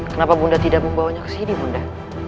kenapa bunda tidak membawanya ke sini bunda